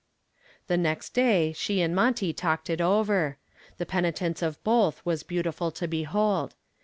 The next day she and Monty talked it over. The penitence of both was beautiful to behold.